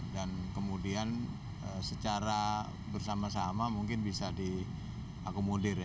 dan kemudian secara bersama sama mungkin bisa diakomodir